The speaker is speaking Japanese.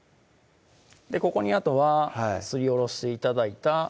ここにあとはすりおろして頂いた